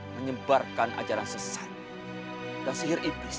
menyebarkan ajaran sesat dan sihir iblis